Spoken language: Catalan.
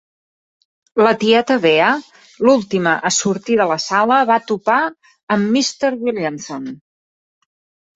La tieta Bea, l'última a sortir de la sala, va topar amb Mr. Williamson.